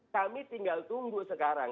kami tinggal tunggu sekarang